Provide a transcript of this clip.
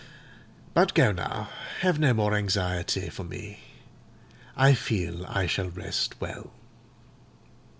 But go now; have no more anxiety for me; I feel I shall rest well."